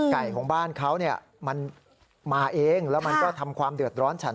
ไก่ของบ้านเขาเนี่ยมันมาเองแล้วมันก็ทำความเดือดร้อนฉัน